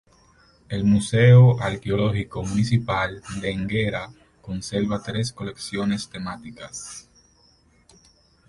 El Museo Arqueológico Municipal de Enguera conserva tres colecciones temáticas.